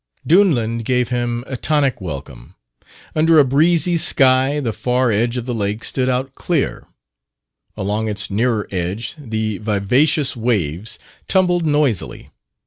Duneland gave him a tonic welcome. Under a breezy sky the far edge of the lake stood out clear. Along its nearer edge the vivacious waves tumbled noisily.